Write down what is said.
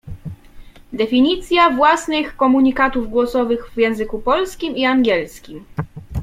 Definicja własnych komunikatów głosowych w języku polskim i angielskim.